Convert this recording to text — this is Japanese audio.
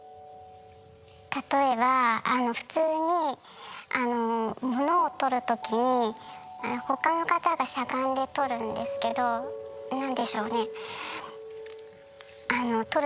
例えば普通にものをとるときに他の方がしゃがんでとるんですけどなんでしょうね。